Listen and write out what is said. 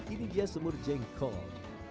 ini dia semur jengkol